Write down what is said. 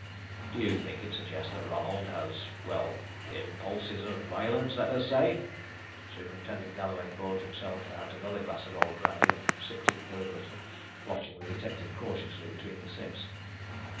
Do you think it suggests that Ronald has, well impulses of violence, let us say?" Superintendent Galloway poured himself out another glass of old brandy and sipped it deliberately, watching the detective cautiously between the sips.